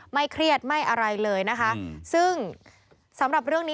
เครียดไม่อะไรเลยนะคะซึ่งสำหรับเรื่องนี้